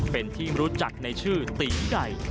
เป็นที่รู้จักในชื่อตีไก่